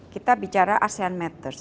kita bicara asean matters